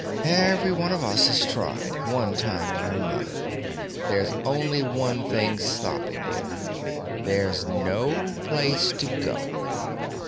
Every one of us has tried, one time or another. There's only one thing stopping you—there's no place to go.